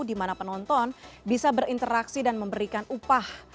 di mana penonton bisa berinteraksi dan memberikan upah